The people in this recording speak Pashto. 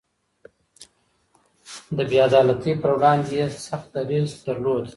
د بې عدالتۍ پر وړاندې يې سخت دريځ درلود.